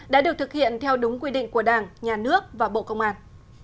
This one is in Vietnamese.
đã được thực hiện theo đúng quy định của đảng nhà nước và bộ công an